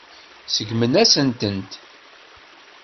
Seggmen-asent-tent.